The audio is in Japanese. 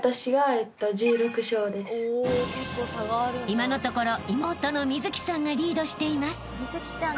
［今のところ妹の美月さんがリードしています］